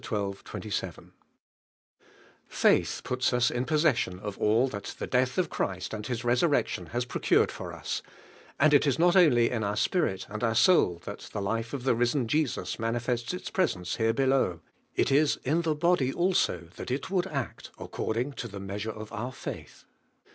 27), Fanth puts us in possession of all that the death of Christ and His resurrection hais procured for us, and it is not only in our spirit and our soul that the life of ilie risen Jesus manifests its presence here below, it is m.the jmdj; aiso that it would act according to the measure of our faith.